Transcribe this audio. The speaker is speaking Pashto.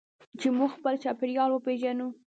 چې موږ خپل چاپیریال وپیژنو.